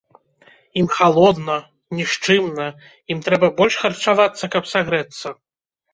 Ім халодна, нішчымна, ім трэба больш харчавацца, каб сагрэцца.